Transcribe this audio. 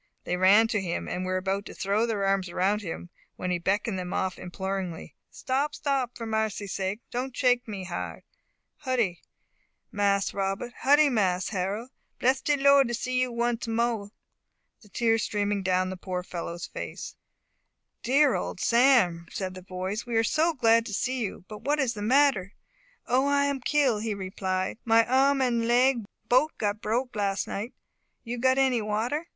They ran to him, and were about to throw their arms around him, when he beckoned them off imploringly, and said, "Stop! stop! for marcy sake don't shake me hard. Huddie[#] Mas Robbut! Huddie Mas Harrol! Bless de Lord to see you once mo'e!" the tears streaming down the poor fellow's face. [#] Howdye. "Dear old Sam!" said the boys, "we are so glad to see you. But what is the matter?" "O, I am kill!" he replied; "my arm and leg bote got broke las' night. You got any water?"